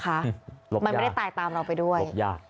ลบยากลบยากนะครับมันไม่ได้ตายตามเราไปด้วย